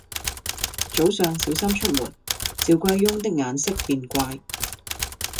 早上小心出門，趙貴翁的眼色便怪：